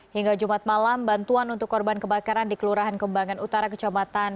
hingga jumat malam bantuan untuk korban kebakaran di kelurahan kembangan utara kecamatan